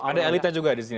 ada elitnya juga disini